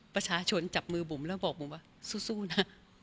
ประชาชนจับมือบุ๋มแล้วบอกบุ๋มว่าสู้นะ